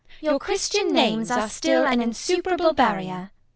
] Your Christian names are still an insuperable barrier.